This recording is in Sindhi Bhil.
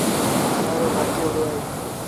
ٻآرو ڀرجي وُهڙو اهي